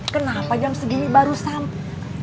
kenapa jam segini barusan